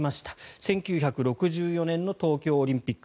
１９６４年の東京オリンピック